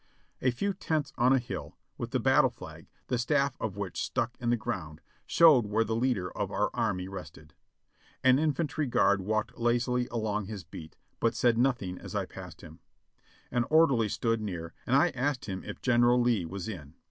A few tents on a hill, with the battle flag, the staff of which stuck in the ground, showed where the leader of our army rested. An infantry guard walked lazily along his beat, but said noth ing as I passed him. An orderly stood near, and I asked him if General Lee was in.